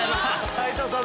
斎藤さん